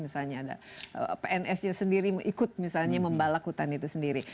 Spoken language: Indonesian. misalnya ada pns nya sendiri ikut misalnya membalak hutan itu sendiri